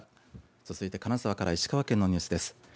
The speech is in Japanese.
続いて金沢から石川県のニュースです。